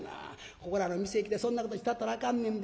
ここらの店来てそんなことしたったらあかんねんで。